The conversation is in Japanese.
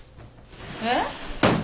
えっ？